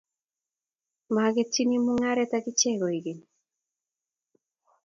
Maketinye mung'aret ak icheg kokeny.